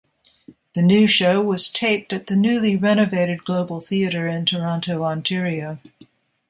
The new show was taped at the newly renovated Global Theatre in Toronto, Ontario.